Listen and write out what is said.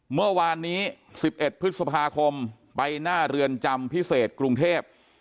เมื่อวานนี้๑๑พฤษภาคมไปหน้าเรือนจำพิเศษกรุงเทพ